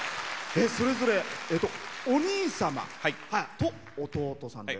それぞれお兄様と弟さんで。